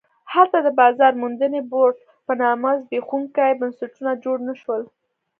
هلته د بازار موندنې بورډ په نامه زبېښونکي بنسټونه جوړ نه شول.